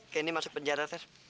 candy masuk penjara ter